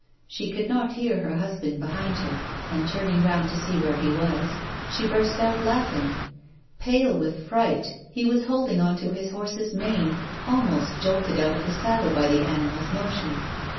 She could not hear her husband behind her, and, turning round to see where he was, she burst out laughing. Pale with fright, he was holding on to his horse's maue, almost jolted out of the saddle by the animal's motion.